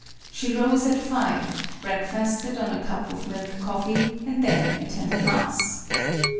She rose at five, breakfasted on a cup of milk coffee, and then attended mass.